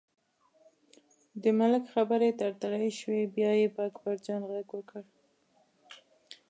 د ملک خبرې تړتړۍ شوې، بیا یې په اکبرجان غږ وکړ.